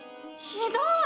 ひどい！